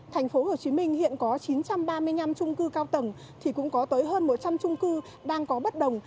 thành phố hồ chí minh hiện có chín trăm ba mươi năm chung cư cao tầng thì cũng có tới hơn một trăm linh chung cư đang có bất đồng